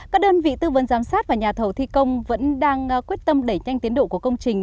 các đơn vị tư vấn giám sát và nhà thầu thi công vẫn đang quyết tâm đẩy nhanh tiến độ của công trình